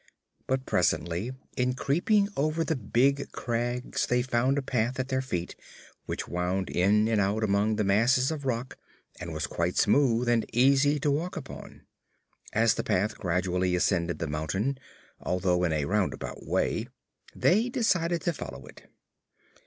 But presently, in creeping over the big crags, they found a path at their feet which wound in and out among the masses of rock and was quite smooth and easy to walk upon. As the path gradually ascended the mountain, although in a roundabout way, they decided to follow it.